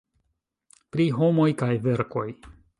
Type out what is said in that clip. Pri Homoj kaj Verkoj.